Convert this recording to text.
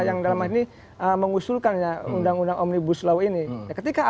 yang dalam hal ini mengusulkannya undang undang omnibus law ini